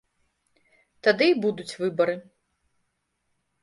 Тады і будуць выбары.